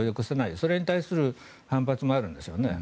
それに対する反発もあるんですよね。